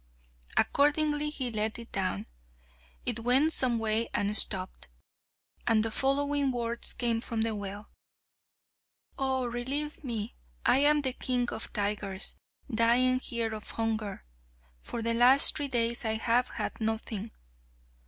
Accordingly he let it down; it went some way and stopped, and the following words came from the well: "Oh, relieve me! I am the king of tigers, dying here of hunger. For the last three days I have had nothing.